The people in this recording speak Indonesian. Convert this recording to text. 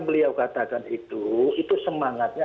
beliau katakan itu itu semangatnya